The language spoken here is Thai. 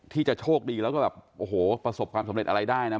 ที่จะโชคดีแล้วก็ประสบความสำเร็จอะไรได้